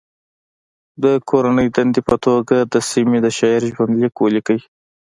د کورنۍ دندې په توګه د سیمې د شاعر ژوند لیک ولیکئ.